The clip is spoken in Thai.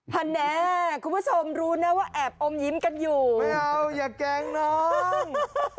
แน่คุณผู้ชมรู้นะว่าแอบอมยิ้มกันอยู่ไม่เอาอย่าแกล้งน้อง